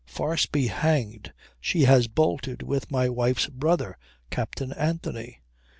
"Farce be hanged! She has bolted with my wife's brother, Captain Anthony."